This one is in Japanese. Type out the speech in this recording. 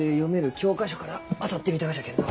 教科書から当たってみたがじゃけんど。